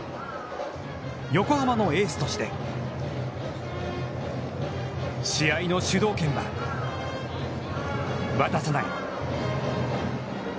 横浜のエースとして試合の主導権は渡さない。